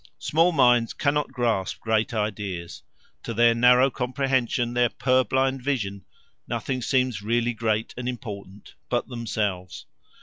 Small minds cannot grasp great ideas; to their narrow comprehension, their purblind vision, nothing seems really great and important but themselves.